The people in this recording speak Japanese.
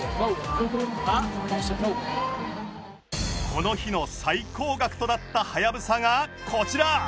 この日の最高額となったハヤブサがこちら。